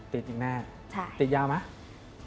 ติดอีกแน่ติดยาวไหม